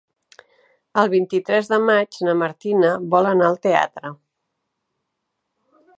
El vint-i-tres de maig na Martina vol anar al teatre.